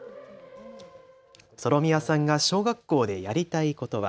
ソロミヤさんが小学校でやりたいことは。